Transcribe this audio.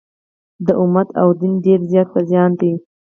د امت او دین ډېر زیات په زیان دي.